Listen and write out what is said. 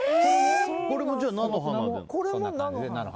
これも菜の花？